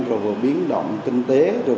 rồi biến động kinh tế